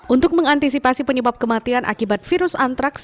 untuk mengantisipasi penyebab kematian akibat virus antraks